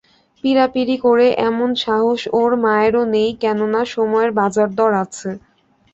পীড়াপীড়ি করে এমন সাহস ওর মায়েরও নেই, কেননা সময়ের বাজার-দর আছে।